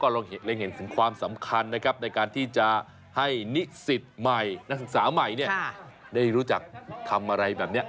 เล็งเห็นถึงความสำคัญนะครับในการที่จะให้นิสิตใหม่นักศึกษาใหม่ได้รู้จักทำอะไรแบบนี้